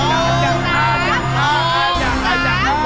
ไม่มีข้าบอบ